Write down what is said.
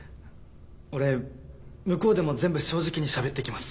俺向こうでも全部正直にしゃべってきます。